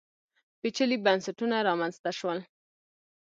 پېچلي بنسټونه رامنځته شول